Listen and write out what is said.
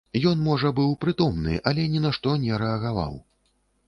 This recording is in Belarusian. Ён можа быў прытомны, але ні на што не рэагаваў.